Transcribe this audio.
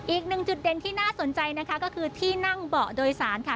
อีกหนึ่งจุดเด่นที่น่าสนใจนะคะก็คือที่นั่งเบาะโดยสารค่ะ